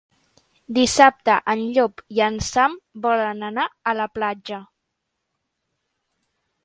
Dissabte en Llop i en Sam volen anar a la platja.